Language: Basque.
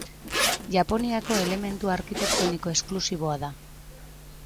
Japoniako elementu arkitektoniko esklusiboa da.